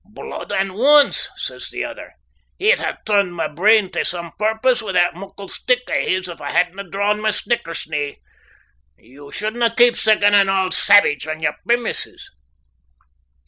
"Blood an' wounds!" says the other. "He'd ha' turned my brain tae some purpose wi' that muckle stick o' his if I hadna drawn my snickersnee. You shouldna keep siccan an auld savage on your premises."